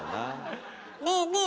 ねえねえ